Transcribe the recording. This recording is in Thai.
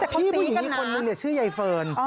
พี่ผู้หญิงที่คนนู้นชื่อใบเฟิร์น